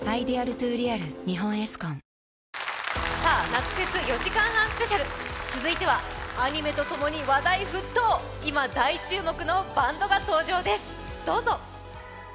夏フェス４時間半スペシャル、続いてはアニメとともに話題沸騰、今大注目のバンドが登場です、どうぞ。